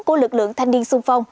của lực lượng thanh niên sung phong